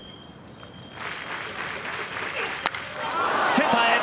センターへ。